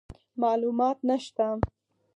معلومات نشته،